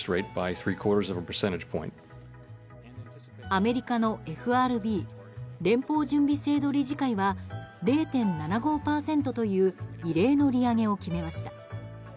アメリカのＦＲＢ・連邦準備制度理事会は０．７５％という異例の利上げを決めました。